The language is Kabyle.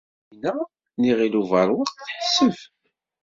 Yamina n Yiɣil Ubeṛwaq teḥseb.